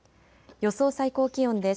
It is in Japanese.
予想最高気温です。